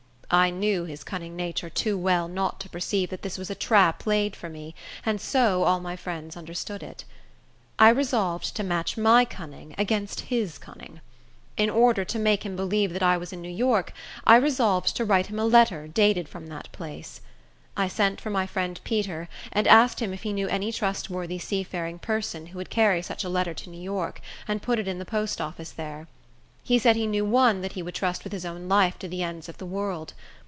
I knew his cunning nature too well not to perceive that this was a trap laid for me; and so all my friends understood it. I resolved to match my cunning against his cunning. In order to make him believe that I was in New York, I resolved to write him a letter dated from that place. I sent for my friend Peter, and asked him if he knew any trustworthy seafaring person, who would carry such a letter to New York, and put it in the post office there. He said he knew one that he would trust with his own life to the ends of the world.